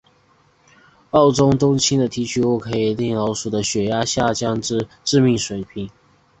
欧洲冬青的提取物可以令老鼠的血压下降至致命水平。